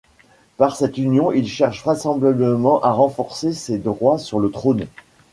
Par cette union, il cherche vraisemblablement à renforcer ses droits sur le trône.